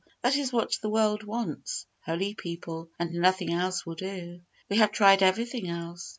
This is what the world wants holy people; and nothing else will do. We have tried everything else.